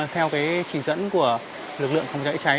theo chỉ dẫn của lực lượng phòng cháy cháy